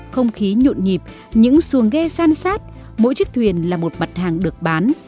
không khí nhộn nhịp những xuồng ghe san sát mỗi chiếc thuyền là một mặt hàng được bán